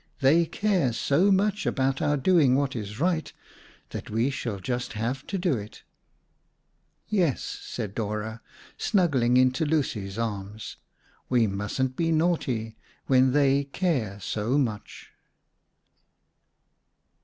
They care so much about our doing what is right, that we shall just have to do it." "Yes," said Dora, snuggling into Lucy's arms, "we mustn't be naughty when they care so much."